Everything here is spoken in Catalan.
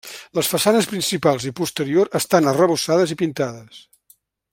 Les façanes principals i posterior estan arrebossades i pintades.